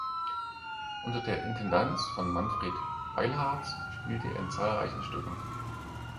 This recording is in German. Unter der Intendanz von Manfred Beilharz spielte er in zahlreichen Stücken.